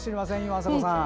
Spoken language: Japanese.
あさこさん。